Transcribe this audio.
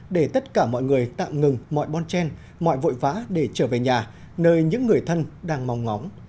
để tất cả mọi người tạm ngừng mọi bon chen mọi vội vã để trở về nhà nơi những người thân đang mong ngóng